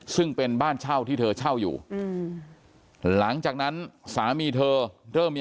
ซึ่งเป็นบ้านเช่าที่เธอเช่าอยู่หลังจากนั้นสามีเธอเริ่มมี